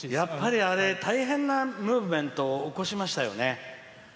あれは、大変なムーブメント起こしましたよね。